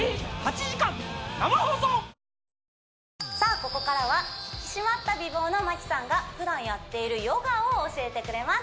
ここからは引き締まった美貌の麻希さんがふだんやっているヨガを教えてくれます